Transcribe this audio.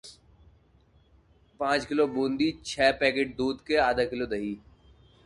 Then Maita goes to get her daughter by herself.